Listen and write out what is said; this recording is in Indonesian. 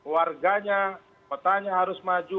warganya kotanya harus maju